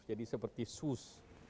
jadi seperti sus